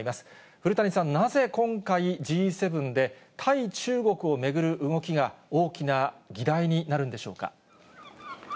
古谷さん、なぜ今回、Ｇ７で対中国を巡る動きが大きな議題になるんでしょうか。